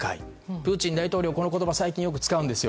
プーチン大統領この言葉、最近よく使うんですよ。